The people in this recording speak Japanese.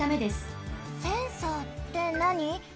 センサーってなに？